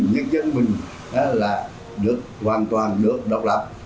nhân dân mình là được hoàn toàn được độc lập